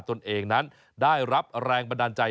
ตนเองนั้นได้รับแรงบันดาลใจ